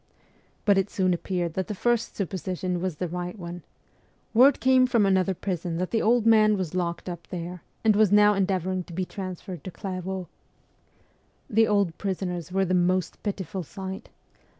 But it soon appeared that the first supposition was the right one. Word came from another prison that the old man was locked up there, and was now endeavouring to be transferred to Clairvaux. The old prisoners were the most pitiful sight.